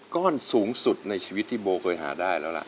ก้อนสูงสุดในชีวิตที่โบเคยหาได้แล้วล่ะ